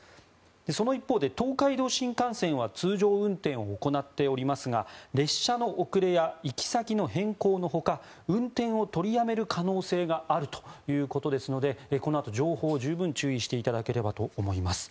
その一方で東海道新幹線は通常運転を行っておりますが列車の遅れや行き先の変更のほか運転を取りやめる可能性があるということですのでこのあとも、情報十分注意していただければと思います。